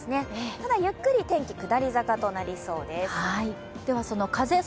ただゆっくり天気、下り坂となりそうです。